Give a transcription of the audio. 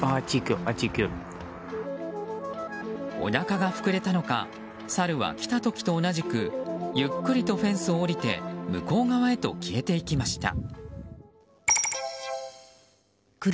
おなかがふくれたのかサルは来た時と同じくゆっくりとフェンスを降りて向こう側へと消えていきました。